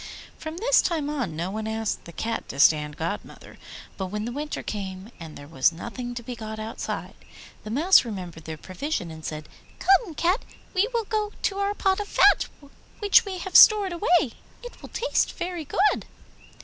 From this time on no one asked the Cat to stand godmother; but when the winter came and there was nothing to be got outside, the Mouse remembered their provision and said, 'Come, Cat, we will go to our pot of fat which we have stored away; it will taste very good.